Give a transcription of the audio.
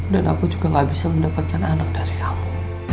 dan aku juga gak bisa mendapatkan anak dari kamu